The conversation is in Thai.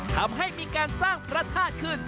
ทำให้มีการสร้างพระธาตุขึ้น